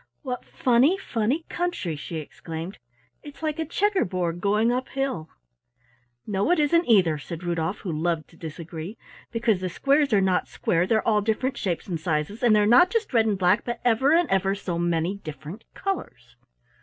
"What funny, funny country!" she exclaimed. "It's like a checker board going up hill." "No, it isn't either," said Rudolf, who loved to disagree, "because the squares are not square, they're all different shapes and sizes and they're not just red and black but ever and ever so many different colors."